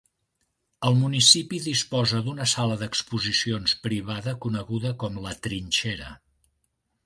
El municipi disposa d'una sala d'exposicions privada coneguda com La Trinxera.